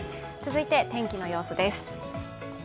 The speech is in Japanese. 続いて、天気の様子です。